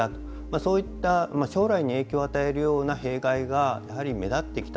そういった将来に影響を与えるような弊害がやはり目立ってきた。